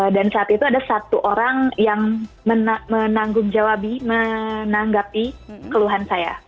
dan saat itu ada satu orang yang menanggung jawab menanggapi keluhan saya